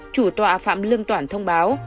chủ tọa phạm lương toản thông báo